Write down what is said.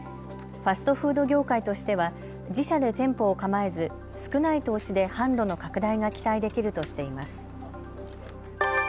ファストフード業界としては自社で店舗を構えず少ない投資で販路の拡大が期待できるとしています。